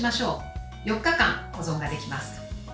４日間、保存ができます。